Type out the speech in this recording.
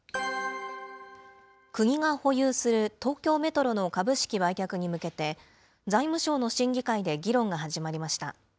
国が保有する東京メトロの株式売却に向けて、財務省の審議会で議論が始まりました。